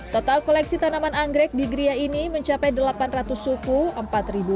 total koleksi tanaman anggrek di gria ini mencapai delapan ratus suku